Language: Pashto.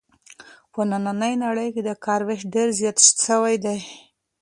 په نننۍ نړۍ کې د کار وېش ډېر زیات سوی دی.